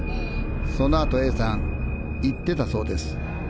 そのあとＡさん言ってたそうです。